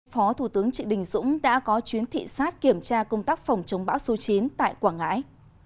phó thủ tướng trị đình dũng đã có chuyến thị sát kiểm tra công tác phòng chống bão số chín tại quảng ngãi